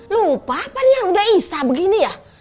lupa apa nih udah isa begini ya